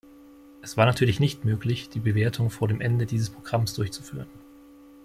Es war natürlich nicht möglich, die Bewertung vor dem Ende dieses Programms durchzuführen.